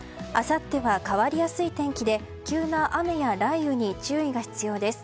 あさっては変わりやすい天気で急な雨や雷雨に注意が必要です。